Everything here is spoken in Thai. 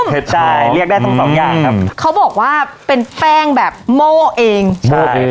ได้เรียกได้ทั้งสองอย่างครับเขาบอกว่าเป็นแป้งแบบโม่เองใช่